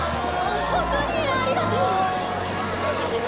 本当にありがとう！